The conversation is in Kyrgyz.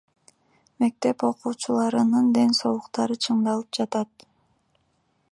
Мектеп окуучуларынын ден соолуктары чыңдалып жатат.